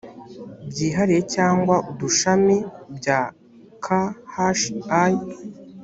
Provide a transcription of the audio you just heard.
byihariye cyangwa udushami bya khi